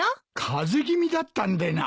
風邪気味だったんでな。